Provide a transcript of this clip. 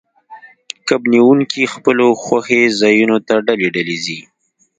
کب نیونکي خپلو خوښې ځایونو ته ډلې ډلې ځي